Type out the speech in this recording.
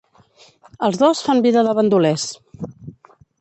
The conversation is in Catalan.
Els dos fan vida de bandolers.